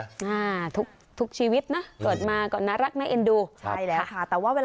อ่าทุกทุกชีวิตนะเกิดมาก็น่ารักน่าเอ็นดูใช่แล้วค่ะแต่ว่าเวลา